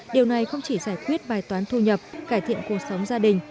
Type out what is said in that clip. điều này không chỉ giải quyết bài toán thu nhập cải thiện cuộc sống gia đình